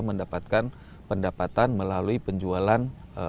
mendapatkan pendapatan melalui penjualan